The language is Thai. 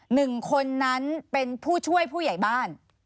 หนึ่งคนนั้นเป็นผู้ช่วยผู้ใหญ่บ้าน